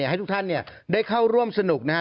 ให้ทุกท่านได้เข้าร่วมสนุกนะฮะ